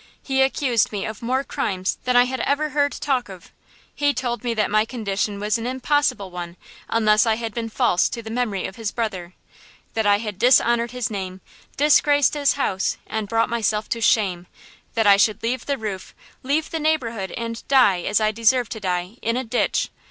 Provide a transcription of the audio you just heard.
He accused me of more crimes than I had ever heard talk of. He told me that my condition was an impossible one unless I had been false to the memory of his brother; that I had dishonored his name, disgraced his house and brought myself to shame; that I should leave the roof, leave the neighborhood and die as I deserved to die, in a ditch!